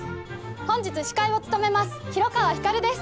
本日司会を務めます広川ひかるです